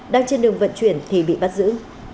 đang trên đường vận chuyển thì bị bắt giữ